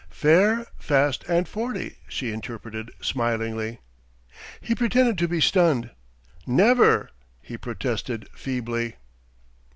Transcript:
"Fair, fast, and forty," she interpreted smilingly. He pretended to be stunned. "Never!" he protested feebly.